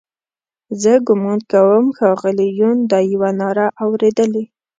زه ګومان کوم ښاغلي یون دا یوه ناره اورېدلې.